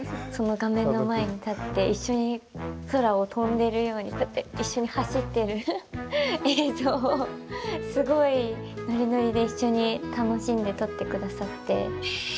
画面の前に立って一緒に空を飛んでいるように一緒に走っている映像をすごいノリノリで一緒に楽しんで撮ってくださって。